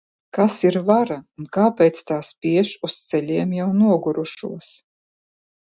Kas ir vara, un kāpēc tā spiež uz ceļiem jau nogurušos?